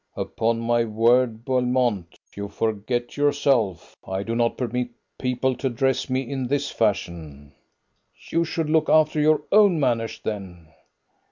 "Upon my word, Belmont, you forget yourself! I do not permit people to address me in this fashion." "You should look after your own manners, then."